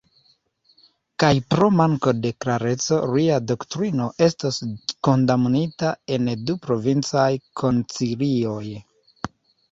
Kaj pro manko de klareco lia doktrino estos kondamnita en du provincaj koncilioj.